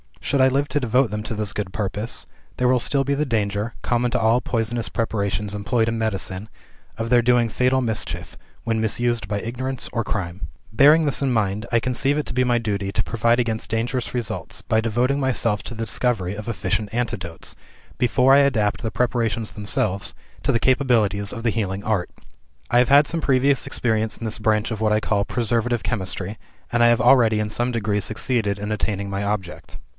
Should I live to devote them to this good purpose, there will still be the danger (common to all poisonous preparations employed in medicine) of their doing fatal mischief, when misused by ignorance or crime. "Bearing this in mind, I conceive it to be my duty to provide against dangerous results, by devoting myself to the discovery of efficient antidotes, before I adapt the preparations themselves to the capacities of the healing art. I have had some previous experience in this branch of what I call preservative chemistry, and I have already in some degree succeeded in attaining my object.